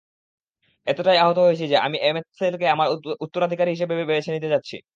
এতটাই আহত হয়েছি যে, আমি অ্যামলেথকে আমার উত্তরাধিকারী হিসেবে বেছে নিতে চাচ্ছি।